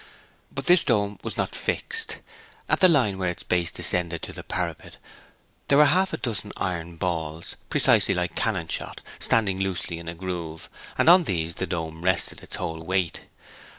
But this dome was not fixed. At the line where its base descended to the parapet there were half a dozen iron balls, precisely like cannon shot, standing loosely in a groove, and on these the dome rested its whole weight.